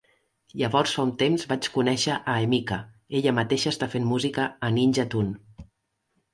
Llavors fa un temps vaig conèixer a Emika, ella mateixa està fent música a Ninja Tune.